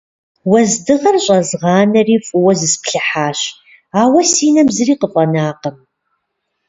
Уэздыгъэр щӏэзгъанэри, фӏыуэ зысплъыхьащ, ауэ си нэм зыри къыфӏэнакъым.